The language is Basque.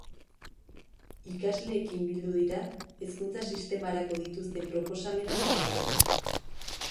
Ikasleekin bildu dira hezkuntza sistemarako dituzten proposamenak azaltzeko.